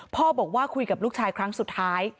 พ่อบอกว่าคุยกับลูกชายครั้งสุดท้าย